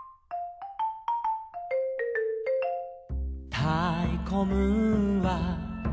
「たいこムーンは」